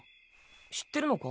知ってるのか？